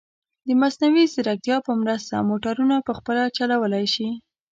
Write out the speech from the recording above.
د مصنوعي ځیرکتیا په مرسته، موټرونه په خپله چلولی شي.